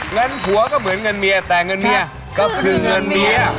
เงินผัวก็เหมือนเงินเมียแต่เงินเมียก็คือเงินเมีย